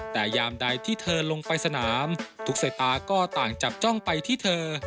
แต่ยามใดที่เธอลงไปสนามทุกสายตาก็ต่างจับจ้องไปที่เธอ